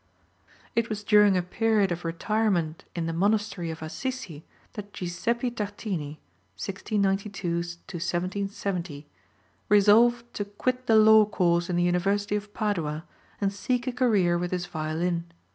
It was during a period of retirement in the monastery of Assisi that Giuseppi Tartini (1692 1770) resolved to quit the law course in the University of Padua and seek a career with his violin.